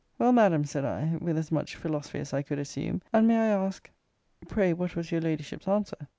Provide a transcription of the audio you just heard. Well, Madam, said I, with as much philosophy as I could assume; and may I ask Pray, what was your Ladyship's answer?